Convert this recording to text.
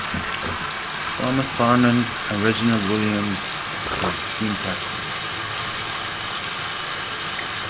Thomas Parnon and Reginald Williams were the team captains.